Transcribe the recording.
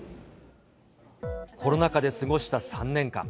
コロナ禍で過ごした３年間。